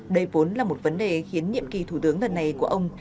đây vốn là một vấn đề khiến nhiệm kỳ thủ tướng lần này của ông